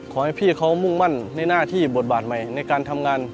ขอให้พี่เขามุ่งมั่นในหน้าที่บทบาทใหม่ในการทำงาน